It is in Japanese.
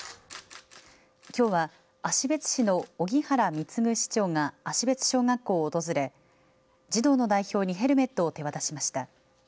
きょうは芦別市の荻原貢市長が芦別小学校を訪れ児童の代表にヘルメットを手渡しました。